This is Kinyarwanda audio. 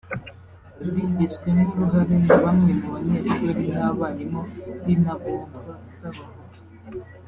bigizwemo uruhare na bamwe mu banyeshuri n’abarimu b’intagondwa z’abahutu